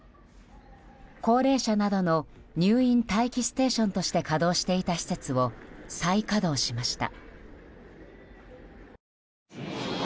高齢者などの入院待機ステーションとして稼働していた施設を再稼働しました。